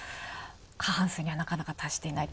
過半数には、なかなか達していないと。